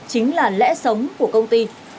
chính là lẽ sống của công ty